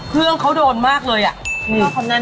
เครื่องเขาโดนมากเลยอ่ะ